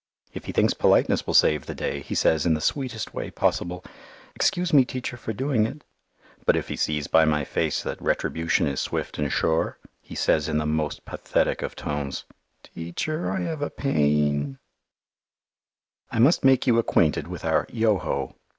If he thinks politeness will save the day, he says in the sweetest way possible, "Excuse me, Teacher, for doing it"; but if he sees by my face that retribution is swift and sure, he says in the most pathetic of tones, "Teacher, I have a pain." [Illustration: "TEACHER, I HAVE A PAIN"] I must make you acquainted with our "Yoho."